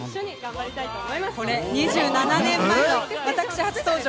これ、２７年前の私、初登場。